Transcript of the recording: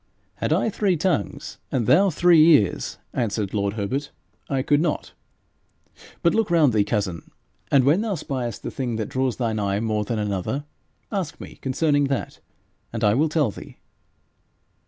'Had I three tongues, and thou three ears,' answered lord Herbert, 'I could not. But look round thee, cousin, and when thou spiest the thing that draws thine eye more than another, ask me concerning that, and I will tell thee.'